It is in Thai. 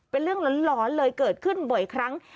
เป็นเรื่องหลอนเลยเกิดขึ้นบ่อยครั้ง